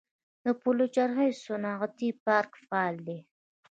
د پلچرخي صنعتي پارک فعال دی